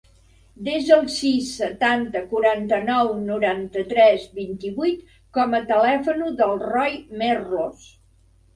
Desa el sis, setanta, quaranta-nou, noranta-tres, vint-i-vuit com a telèfon del Roi Merlos.